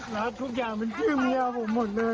แล้วทุกอย่างมันชื่อเมียผมหมดเลย